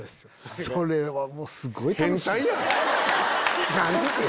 それはもうすごい楽しいんすよ。